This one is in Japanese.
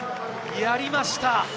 やりました。